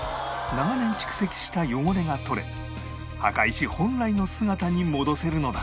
長年蓄積した汚れが取れ墓石本来の姿に戻せるのだ